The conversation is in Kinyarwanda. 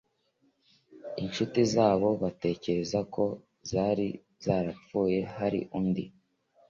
incuti zabo batekerezaga ko zari zarapfuye hari undi